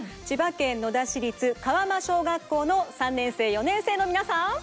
千葉県野田市立川間小学校の３年生４年生のみなさん！